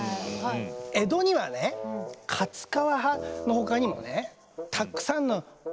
江戸にはね勝川派のほかにもねたくさんの流派があるわけよ。